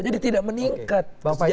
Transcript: jadi tidak meningkat kesejahteraannya